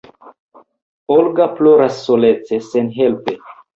Olga ploras solece, senhelpe.